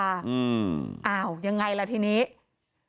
อ้าวยังไงล่ะทีนี้